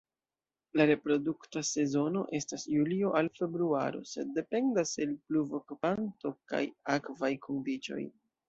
La reprodukta sezono estas julio al februaro sed dependas el pluvokvanto kaj akvaj kondiĉoj.